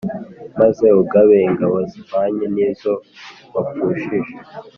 maze ugabe ingabo zihwanye n izo wapfushije